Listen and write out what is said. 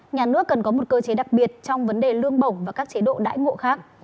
nhà nước cần có một cơ chế đặc biệt trong vấn đề lương bổng và các chế độ đãi ngộ khác